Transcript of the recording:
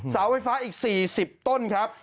เสาไฟฟ้าอีก๔๐ต้นครับ